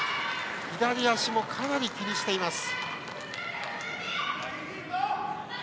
左足もかなり気にしています。